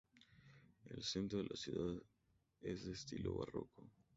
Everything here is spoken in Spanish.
El centro de la ciudad es de estilo barroco.